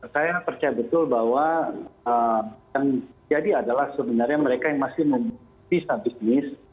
saya percaya betul bahwa jadi adalah sebenarnya mereka yang masih memisah bisnis